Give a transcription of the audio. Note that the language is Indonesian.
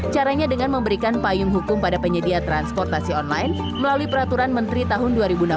caranya dengan memberikan payung hukum pada penyedia transportasi online melalui peraturan menteri tahun dua ribu enam belas